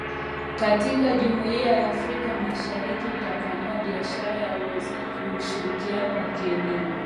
katika jumuia ya Afrika mashariki kutapanua biashara na ushirikiano wa kieneo